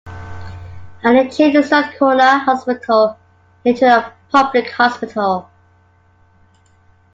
Allen changed Strathcona Hospital into a public hospital.